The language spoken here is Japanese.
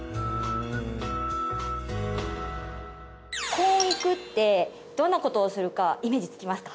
婚育ってどんなことをするかイメージつきますか？